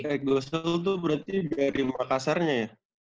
erik gosal itu berarti dari makassarnya ya